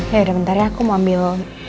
ya udah bentar ya aku mau ambil